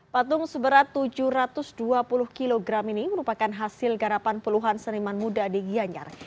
patung seberat tujuh ratus dua puluh kg ini merupakan hasil garapan puluhan seniman muda di gianyar